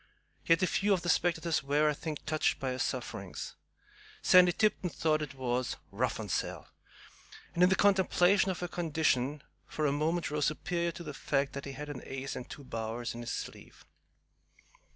Yet a few of the spectators were, I think, touched by her sufferings. Sandy Tipton thought it was "rough on Sal," and, in the contemplation of her condition, for a moment rose superior to the fact that he had an ace and two bowers in his sleeve.